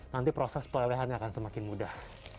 nanti proses pelelehannya akan semakin mudah